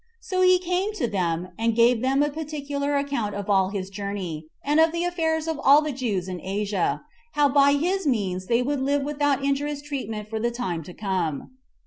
So he came to them, and gave them a particular account of all his journey, and of the affairs of all the Jews in Asia, how by his means they would live without injurious treatment for the time to come.